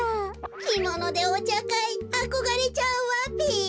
きものでおちゃかいあこがれちゃうわべ！